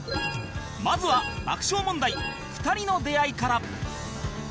まずは爆笑問題２人の出会いから